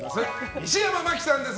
西山茉希さんです。